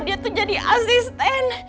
dia tuh jadi asisten